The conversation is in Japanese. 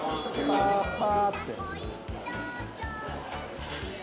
「パパ」って。